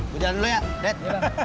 gua jalan dulu ya dad